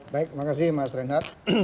baik makasih mas reinhardt